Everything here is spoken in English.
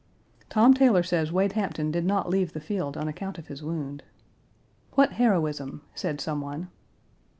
Tom Taylor says Wade Hampton did not leave the field on account of his wound. "What heroism!" said some one.